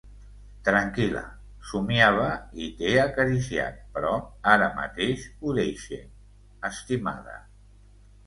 Tranquil·la, somiava i t'he acariciat, però ara mateix ho deixe, estimada.